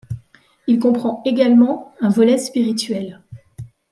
Il comprend également un volet spirituel.